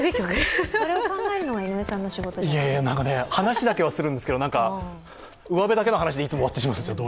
それを考えるのは井上さんのお仕事じゃ話だけはするんですけどうわべだけの話で終わってしまうんですよ。